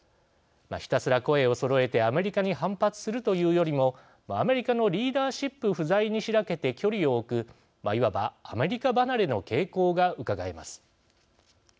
ひたすら声をそろえてアメリカに反発するというよりもアメリカのリーダーシップ不在にしらけて距離を置くいわばアメリカ離れの傾向がうかがえます。